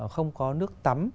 không có nước tắm